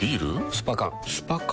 スパ缶スパ缶？